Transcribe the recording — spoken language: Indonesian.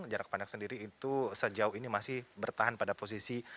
jarak pandang sendiri itu sejauh ini masih bertahan pada posisi